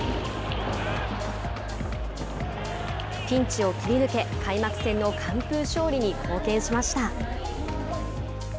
ピンチを切り抜け開幕戦の完封勝利に貢献しました。